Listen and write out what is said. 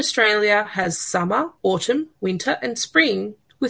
australia tenggara memiliki musim panas musim panas musim panas dan musim panas